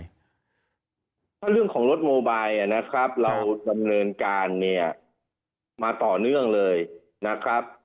ถ้าเรื่องของรถโมบายนะครับเราดำเนินการเนี่ยมาต่อเนื่องเลยนะครับ